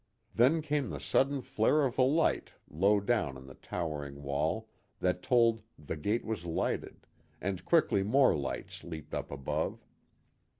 Then came the sudden flare of a light low down on the towering wall that told the gate was lighted, and quickly more lights leaped up above.